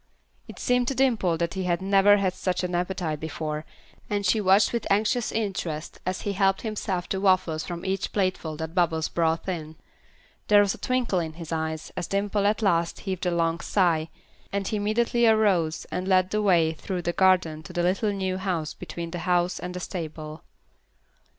It seemed to Dimple that he had never had such an appetite before, and she watched with anxious interest as he helped himself to waffles from each plateful that Bubbles brought in. There was a twinkle in his eyes as Dimple at last heaved a long sigh, and he immediately arose and led the way through the garden to the little new house between the house and the stable.